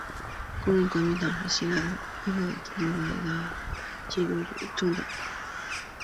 工人革命党是希腊的一个托洛茨基主义政党。